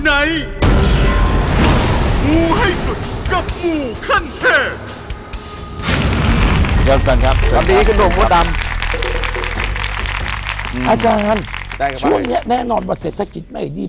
อาจารย์ช่วงนี้แน่นอนว่าเศรษฐกิจไม่ดี